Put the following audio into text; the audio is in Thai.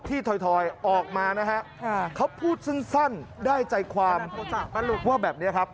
ถอยออกมานะฮะเขาพูดสั้นได้ใจความว่าแบบนี้ครับ